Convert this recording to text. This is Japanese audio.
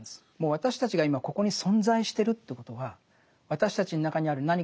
私たちが今ここに存在してるということは私たちの中にある何かが「生きよ」と言ってるんですよね。